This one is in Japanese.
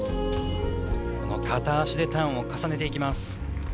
この片足でターンを重ねていきます。